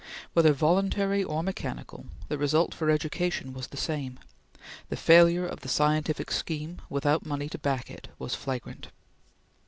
Whether voluntary or mechanical the result for education was the same. The failure of the scientific scheme, without money to back it, was flagrant.